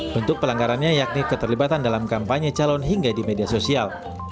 bentuk pelanggarannya yakni keterlibatan dalam kampanye calon hingga di media sosial